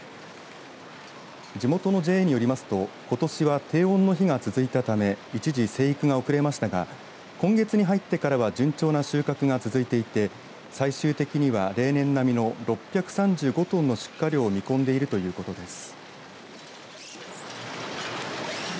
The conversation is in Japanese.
地元のＪＡによりますとことしは低温の日が続いたため一時、生育が遅れましたが今月に入ってからは順調な収穫が続いていて最終的には、例年並みの６３５トンの出荷量を見込んでいるということです。